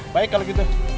baik kalau gitu